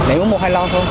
em uống một hai lon thôi